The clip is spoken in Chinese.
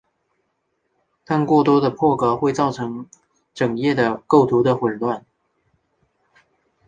但过多的破格会造成整页构图的混乱。